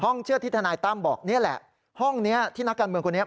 เชื่อที่ทนายตั้มบอกนี่แหละห้องนี้ที่นักการเมืองคนนี้